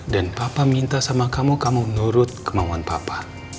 dan papa minta sama kamu kamu menurut kemauan papa